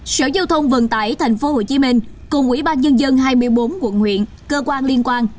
sở giao thông vận tải tp hcm cùng ủy ban nhân dân hai mươi bốn quận huyện cơ quan liên quan